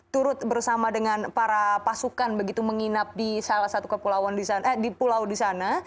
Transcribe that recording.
turut bersama dengan para pasukan begitu menginap di salah satu kepulauan di pulau di sana